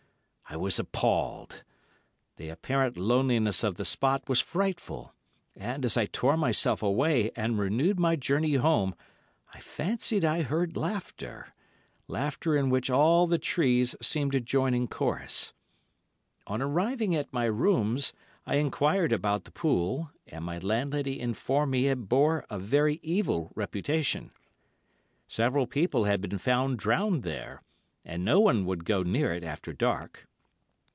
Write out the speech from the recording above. I was appalled. The apparent loneliness of the spot was frightful, and, as I tore myself away and renewed my journey home, I fancied I heard laughter—laughter in which all the trees seemed to join in chorus. On arriving at my rooms, I enquired about the pool, and my landlady informed me it bore a very evil reputation. Several people had been found drowned there, and no one would go near it after dark.